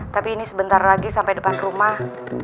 tapi ini sebentar lagi sampai depan rumah